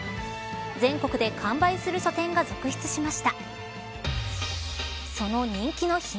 全国で完売する書店が続出しました。